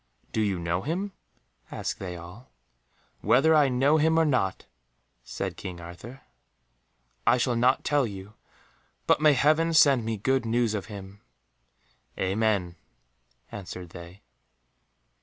"Do you know him?" asked they all. "Whether I know him or not," said King Arthur, "I shall not tell you, but may Heaven send me good news of him." "Amen," answered they.